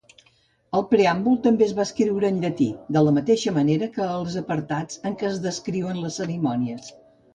El preàmbul també es va escriure en llatí, de la mateixa manera que els apartats en què es descriuen les cerimònies.